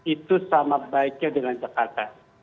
itu sama baiknya dengan jakarta